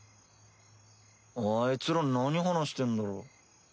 あいつら何話してんだろ？